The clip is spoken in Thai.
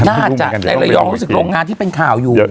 น่าจะในระยองรู้สึกโรงงานที่เป็นข่าวอยู่